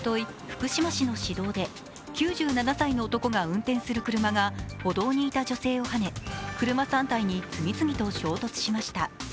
福島市の市道で９７歳の男が運転する車が歩道にいた女性をはね車３台に次々と衝突しました。